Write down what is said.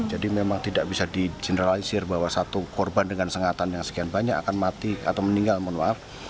jadi memang tidak bisa di generalisir bahwa satu korban dengan sengatan yang sekian banyak akan mati atau meninggal mohon maaf